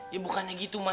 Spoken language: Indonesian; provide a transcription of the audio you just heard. ya bukannya gitu mas